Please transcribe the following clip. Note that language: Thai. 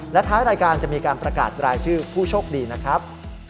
และท้ายรายการจะมีการประกาศรายชื่อผู้โชคดีนะครับ